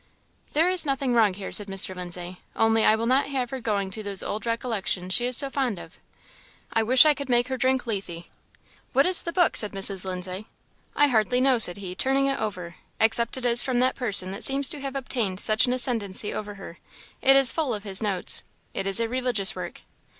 "There is nothing wrong here," said Mr. Lindsay; "only I will not have her going to those old recollections she is so fond of. I wish I could make her drink Lethe!" "What is the book?" said Mrs. Lindsay. "I hardly know," said he, turning it over; "except it is from that person that seems to have obtained such an ascendency over her it is full of his notes it is a religious work."